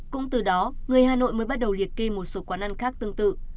cũng từ đó người hà nội mới bắt đầu liệt kê một số quán ăn khác tương tự